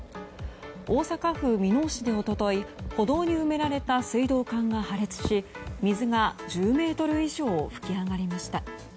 大阪府箕面市で一昨日歩道に埋められた水道管が破裂し水が１０ｍ以上噴き上がりました。